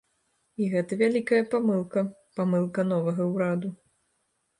І гэта вялікая памылка, памылка новага ўраду.